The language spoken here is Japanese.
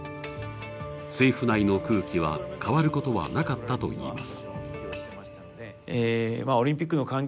政府内の空気は、変わることはなかったといいます。